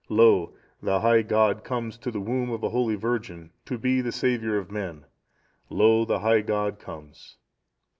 "Lo! the high God comes to the womb of a holy virgin, to be the Saviour of men, lo! the high God comes.